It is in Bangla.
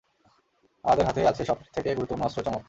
আমাদের হাতে আছে সবথেকে গুরুত্বপূর্ণ অস্ত্র, চমক।